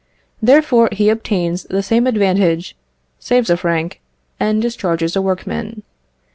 Therefore he obtains the same advantage, saves a franc, and discharges a workman.